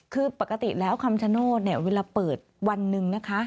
คือปกติแล้วคำชโนธเนี่ยเวลาเปิดวันหนึ่งนะคะ